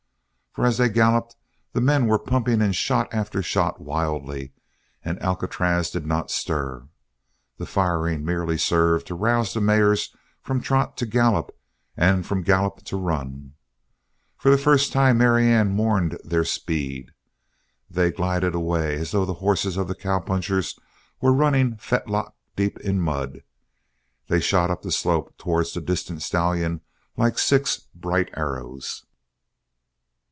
For as they galloped, the men were pumping in shot after shot wildly, and Alcatraz did not stir! The firing merely served to rouse the mares from trot to gallop, and from gallop to run. For the first time Marianne mourned their speed. They glided away as though the horses of the cowpunchers were running fetlock deep in mud; they shot up the slope towards the distant stallion like six bright arrows.